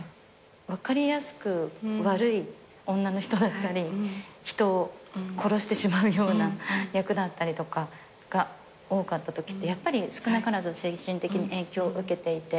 分かりやすく悪い女の人だったり人を殺してしまうような役だったりとかが多かったときってやっぱり少なからず精神的に影響受けていて。